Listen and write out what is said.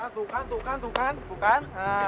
tuh kan tuh kan tuh kan tuh kan